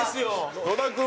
野田君